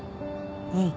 うん。